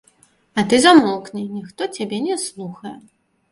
А ты замоўкні, ніхто цябе не слухае.